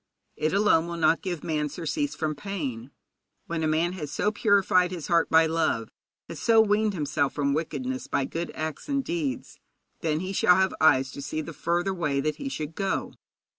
It alone will not give man surcease from pain. When a man has so purified his heart by love, has so weaned himself from wickedness by good acts and deeds, then he shall have eyes to see the further way that he should go.